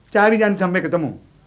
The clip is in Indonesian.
cari yang sampai ketemu